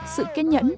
sự kết nhẫn